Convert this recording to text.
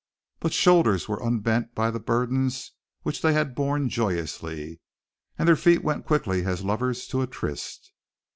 But shoulders were unbent by the burdens which they had borne joyously, and their feet went quickly as lovers' to a tryst.